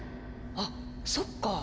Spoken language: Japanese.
あっそっか！